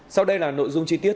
sau đây là nội dung chi tiết